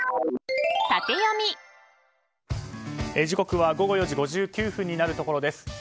時刻は午後４時５９分になるところです。